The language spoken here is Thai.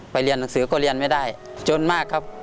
เรียนหนังสือก็เรียนไม่ได้จนมากครับ